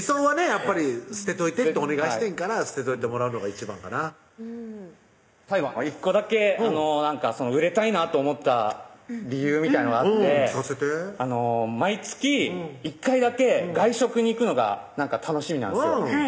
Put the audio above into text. やっぱり「捨てといて」とお願いしてんから捨てといてもらうのが一番かな最後１個だけ売れたいなと思った理由みたいなのがあって聞かせて毎月１回だけ外食に行くのが楽しみなんですよ